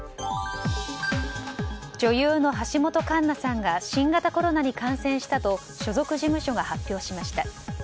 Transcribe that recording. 女優の橋本環奈さんが新型コロナに感染したと所属事務所が発表しました。